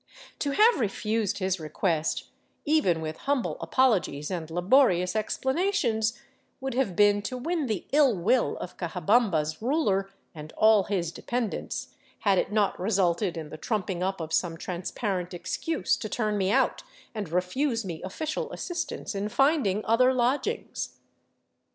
To have refused his request, even with humble apologies and laborious explanations, would have been to win the ill will of Cajabamba's ruler and all his dependents, had it not resulted in the trumping up of some transparent excuse to turn me out and refuse me official assistance in finding other lodgings.